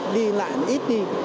đi lại ít đi